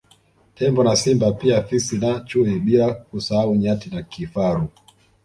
Tembo na Simba pia Fisi na chui bila kusahau Nyati na Kifaru